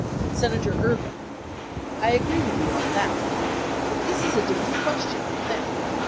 Senator Ervin. I agree with you on that. But this is a differ ent question, I think.